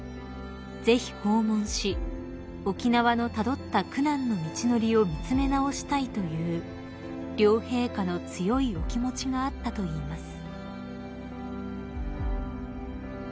ぜひ訪問し沖縄のたどった苦難の道のりを見詰め直したいという両陛下の強いお気持ちがあったといいます］